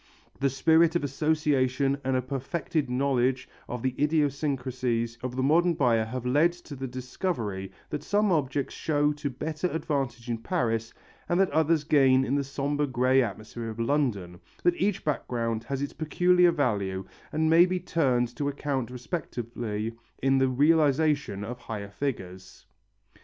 The spirit of association and a perfected knowledge of the idiosyncrasies of the modern buyer have led to the discovery that some objects show to better advantage in Paris and that others gain in the sombre grey atmosphere of London, that each background has its peculiar value and may be turned to account respectively in the realization of higher figures.